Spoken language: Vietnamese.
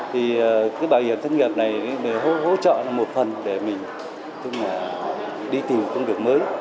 bây giờ bảo hiểm thất nghiệp này hỗ trợ một phần để mình đi tìm công việc mới